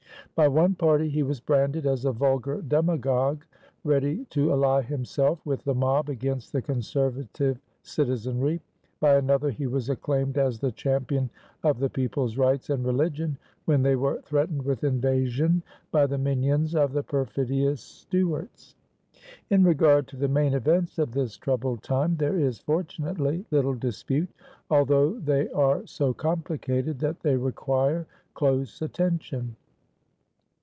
By one party he was branded as a vulgar demagogue ready to ally himself with the mob against the conservative citizenry. By another he was acclaimed as the champion of the people's rights and religion when they were threatened with invasion by the minions of the perfidious Stuarts. In regard to the main events of this troubled time there is, fortunately, little dispute, although they are so complicated that they require close attention.